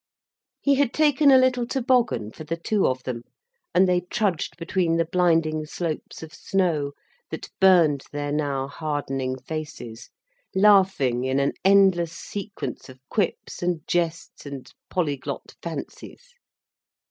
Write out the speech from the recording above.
He had taken a little toboggan, for the two of them, and they trudged between the blinding slopes of snow, that burned their now hardening faces, laughing in an endless sequence of quips and jests and polyglot fancies.